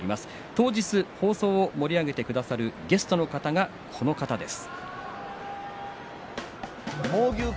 当日の放送を盛り上げてくださるゲストの方はこの方です。